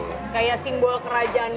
seperti simbol kerajaan belanda